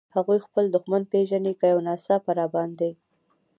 هغوی خپل دښمن پېژني، که یو ناڅاپه را باندې.